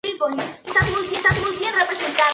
En La Ermita se conservan interesantes restos romanos.